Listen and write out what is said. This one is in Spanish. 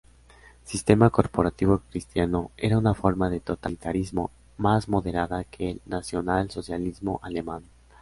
Sistema corporativo cristiano, era una forma de totalitarismo más moderada que el nacionalsocialismo alemán.